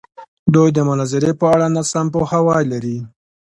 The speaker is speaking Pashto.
دوی د مناظرې په اړه ناسم پوهاوی لري.